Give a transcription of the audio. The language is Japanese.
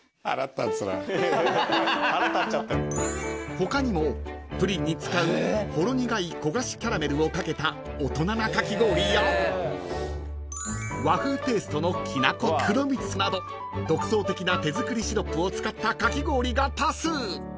［他にもプリンに使うほろ苦い焦がしキャラメルを掛けた大人なかき氷や和風テイストのきなこ黒蜜など独創的な手作りシロップを使ったかき氷が多数］